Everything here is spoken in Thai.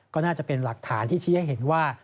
ก็น่าจะเป็นหลักฐานที่ชี้ให้เห็นว่า